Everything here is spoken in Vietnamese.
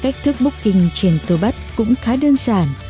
cách thức booking trên tourbud cũng khá đơn giản